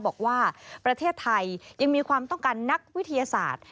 บอกว่าประเทศไทยยังมีความต้องการนักวิทยาศาสตร์